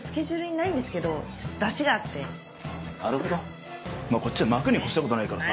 なるほどこっちは巻くに越したことはないからさ。